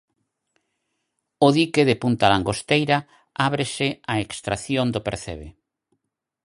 O dique de Punta Langosteira ábrese á extracción do percebe.